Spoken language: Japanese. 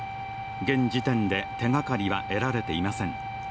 現時点で手がかりは得られていません。